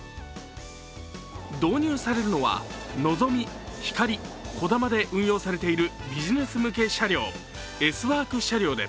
導入されるのは、のぞみひかり、こだまで運用されているビジネス向け車両、ＳＷｏｒｋ車両で